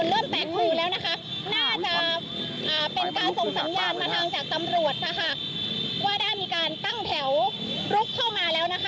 ว่าได้มีการตั้งแถวลุกเข้ามาแล้วนะคะ